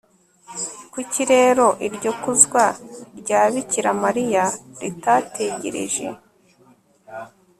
kuki rero iryo kuzwa rya bikira mariya ritategereje